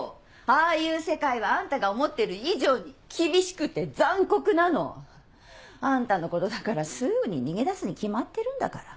ああいう世界はあんたが思ってる以上に厳しくて残酷なの。あんたのことだからすぐに逃げ出すに決まってるんだから。